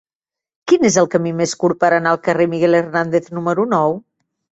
Quin és el camí més curt per anar al carrer de Miguel Hernández número nou?